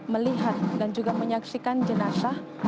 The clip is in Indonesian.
melihat dan juga menyaksikan jenazah